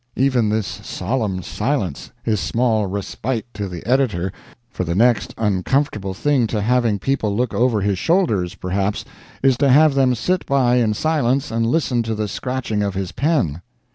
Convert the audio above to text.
Even this solemn silence is small respite to the editor, for the next uncomfortable thing to having people look over his shoulders, perhaps, is to have them sit by in silence and listen to the scratching of his pen.